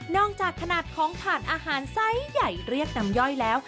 จากขนาดของถ่านอาหารไซส์ใหญ่เรียกน้ำย่อยแล้ว